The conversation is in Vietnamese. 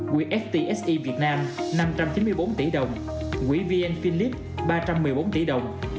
quỹ stse việt nam năm trăm chín mươi bốn tỷ đồng quỹ vn philip ba trăm một mươi bốn tỷ đồng